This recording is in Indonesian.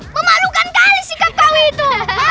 memalukan kali sikap kau itu